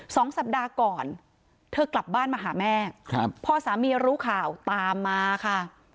สองสัปดาห์ก่อนเธอกลับบ้านมาหาแม่ครับพอสามีรู้ข่าวตามมาค่ะ